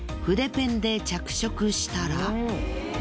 ペンで着色したら。